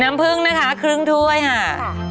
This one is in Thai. น้ำผึ้งนะคะครึ่งถ้วยค่ะ